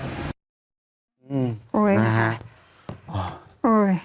อุ้ย